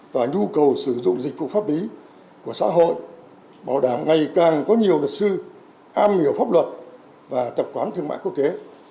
và nhu cầu sử dụng dịch vụ pháp lý của xã hội bảo đảm ngày càng có nhiều luật sư am hiểu pháp luật và tập quán thương mại quốc tế